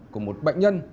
của một bệnh nhân